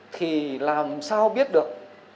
thì làm sao biết được